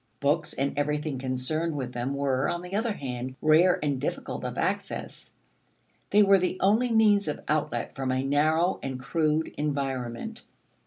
Books and everything concerned with them were, on the other hand, rare and difficult of access; they were the only means of outlet from a narrow and crude environment.